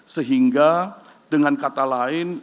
sehingga dengan kata lain